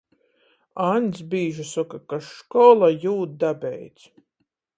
Aņds bīži soka, ka škola jū dabeidz.